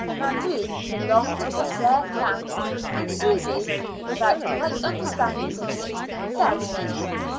Now, Ruth belonged to this rare class, and Susy, without quite understanding it, felt it.